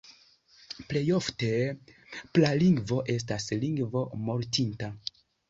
Plej ofte pralingvo estas lingvo mortinta.